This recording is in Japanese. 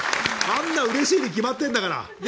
あんなのうれしいに決まってるんだから！